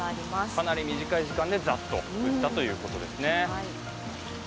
かなり短い時間でざっと降ったということですね。